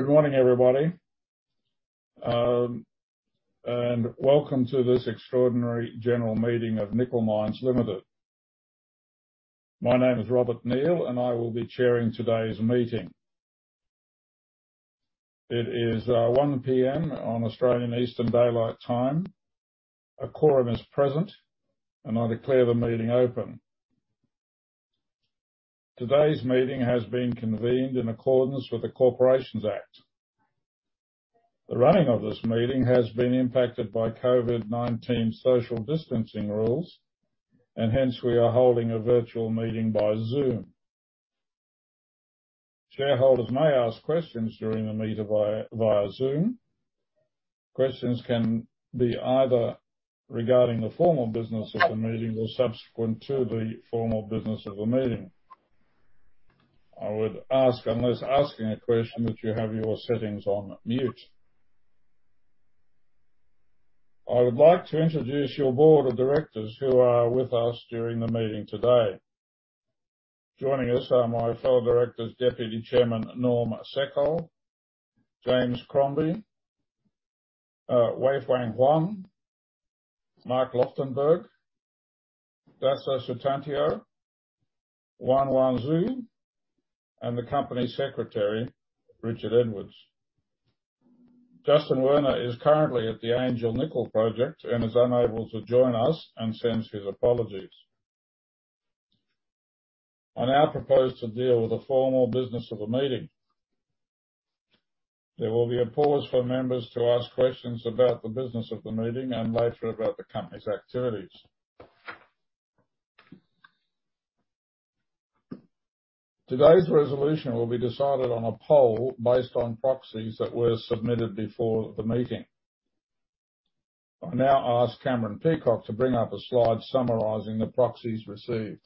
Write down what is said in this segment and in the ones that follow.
Good morning everybody. Welcome to this extraordinary general meeting of Nickel Mines Limited. My name is Robert Neale, and I will be chairing today's meeting. It is 1:00 P.M. on Australian Eastern Daylight Time. A quorum is present, and I declare the meeting open. Today's meeting has been convened in accordance with the Corporations Act. The running of this meeting has been impacted by COVID-19 social distancing rules, and hence we are holding a virtual meeting by Zoom. Shareholders may ask questions during the meeting via Zoom. Questions can be either regarding the formal business of the meeting or subsequent to the formal business of the meeting. I would ask, unless asking a question, that you have your settings on mute. I would like to introduce your board of directors who are with us during the meeting today. Joining us are my fellow directors, Deputy Chairman Norm Seckold, James Crombie, Weifeng Huang, Mark Lochtenberg, Dasa Sutantio, Yuanyuan Xu, and the Company Secretary, Richard Edwards. Justin Werner is currently at the Angel Nickel Project and is unable to join us and sends his apologies. I now propose to deal with the formal business of the meeting. There will be a pause for members to ask questions about the business of the meeting and later about the company's activities. Today's resolution will be decided on a poll based on proxies that were submitted before the meeting. I now ask Cameron Peacock to bring up a slide summarizing the proxies received.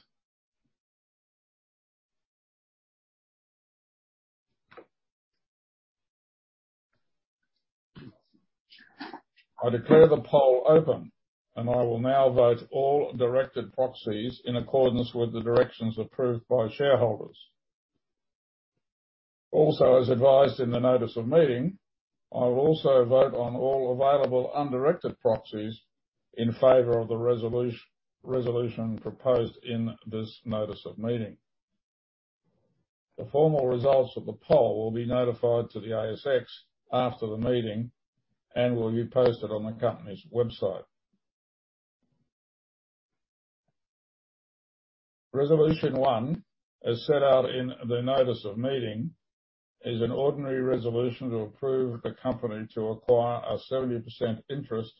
I declare the poll open, and I will now vote all directed proxies in accordance with the directions approved by shareholders. Also, as advised in the notice of meeting, I will also vote on all available undirected proxies in favor of the resolution proposed in this notice of meeting. The formal results of the poll will be notified to the ASX after the meeting and will be posted on the company's website. Resolution 1, as set out in the notice of meeting, is an ordinary resolution to approve the company to acquire a 70% interest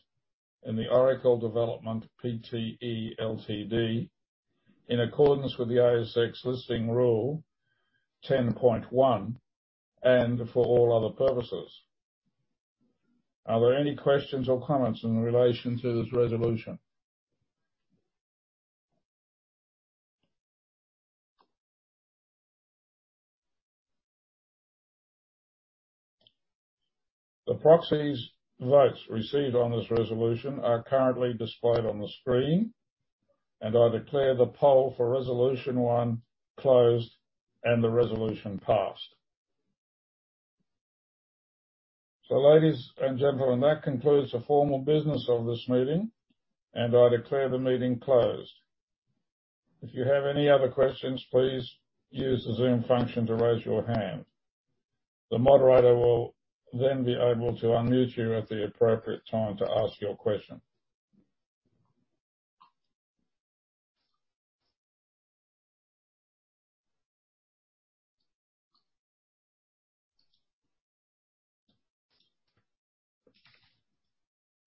in the Oracle Nickel Pte Ltd in accordance with the ASX Listing Rule 10.1 and for all other purposes. Are there any questions or comments in relation to this resolution? The proxy votes received on this resolution are currently displayed on the screen, and I declare the poll for Resolution 1 closed and the resolution passed. Ladies and gentlemen, that concludes the formal business of this meeting, and I declare the meeting closed. If you have any other questions, please use the Zoom function to raise your hand. The moderator will then be able to unmute you at the appropriate time to ask your question.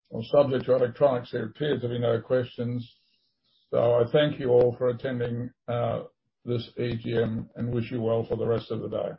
Well, subject to electronics, there appears to be no questions. I thank you all for attending this AGM and wish you well for the rest of the day.